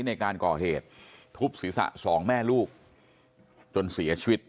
ในการก่อเหตุทุบศีรษะสองแม่ลูกจนเสียชีวิต